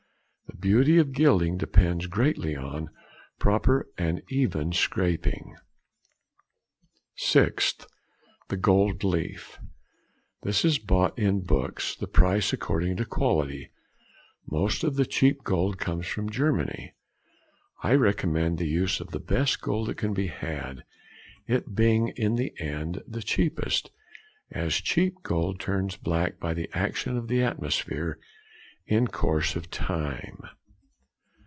The beauty of gilding depends greatly on proper and even scraping. 6th. The Gold Leaf.—This is bought in books, the price according to quality; most of the cheap gold comes from Germany. I recommend the use of the best gold that can be had; it being in the end the cheapest, as cheap gold turns black by the action of the atmosphere in course of time.